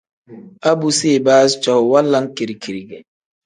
A bu si ibaazi cowuu wanlam kiri-kiri ge.